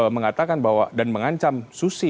mengatakan bahwa dan mengancam susi